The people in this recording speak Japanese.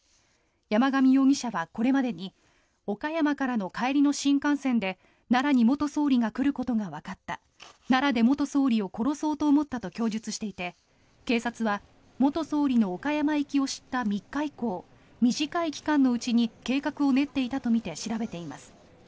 山上容疑者はこれまでに岡山からの帰りの新幹線で奈良に元総理が来ることがわかった奈良で元総理を殺そうと思ったと供述していて警察は、元総理の岡山行きを知った３日以降短い期間のうちに計画を練っていたとみて調べています。